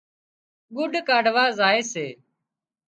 ڳُڏ ڪاڍوا زائي سي